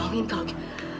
tolongin kalau gitu